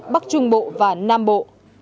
bắc trung bộ và nam bộ